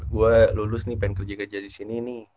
gue lulus nih pengen kerja gajah disini nih